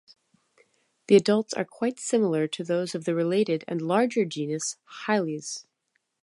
The adults are quite similar to those of the related and larger genus "Hyles".